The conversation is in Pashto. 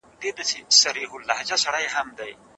اقتصادي تړاو شخړې نرموي او باور جوړوي.